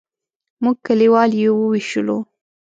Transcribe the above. موږ کلیوال یې وویشلو.